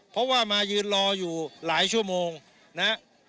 เพราะว่ามายืนรออยู่หลายชั่วโมงนะฮะ